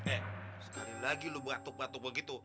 eh sekali lagi lu batuk batuk begitu